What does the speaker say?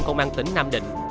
công an tỉnh nam định